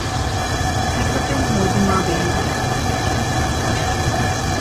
ޕިކަޕެއް ހޯދުމާބެހޭ